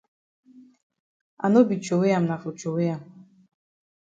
I no be throwey am na for throwey am.